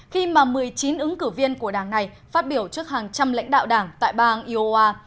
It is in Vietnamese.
khi mà một mươi chín ứng cử viên của đảng này phát biểu trước hàng trăm lãnh đạo đảng tại bang iowa